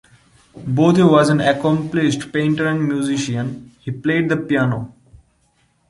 Bothe was an accomplished painter and musician; he played the piano.